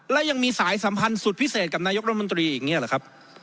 และยังมีสายสัมพันธ์สุดพิเศษกับนายกรัฐมนตรีอย่างนี้หรือครับ